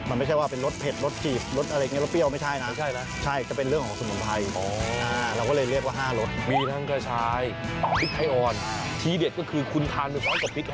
มันไม่ใช่ว่าเป็นรสเผ็ดรสจีฟ